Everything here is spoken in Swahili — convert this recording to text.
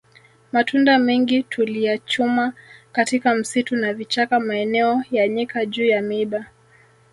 Matunda mengi tuliyachuma katika msitu na vichaka maeneo ya nyika juu ya miiba